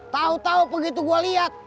tahu tahu begitu gue lihat